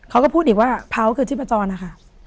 เขาก็พูดอีกว่าพร้าวคือชิบประจอนอะค่ะ